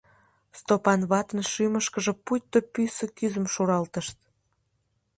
Стопан ватын шӱмышкыжӧ пуйто пӱсӧ кӱзым шуралтышт.